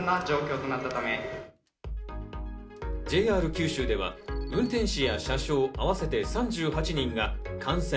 ＪＲ九州では運転士や車掌、合わせて３８人が感染。